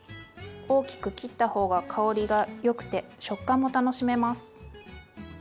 大きく切った方が香りがよくて食感も楽しめます。